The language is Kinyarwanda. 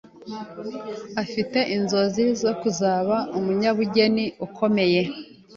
afite inzozi zo kuzaba umunyabugeni ukomeye